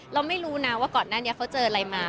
เราไม่รู้นะว่าก่อนหน้านี้เขาเจออะไรมา